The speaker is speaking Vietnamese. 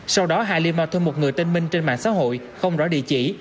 sau đó halima thuê một người tên minh trên mạng xã hội không rõ địa chỉ